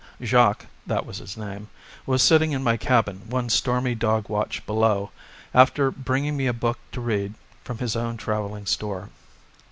Jacques (that was his name) was sitting in my cabin one stormy dog watch below, after bringing me a book to read from his own travelling store.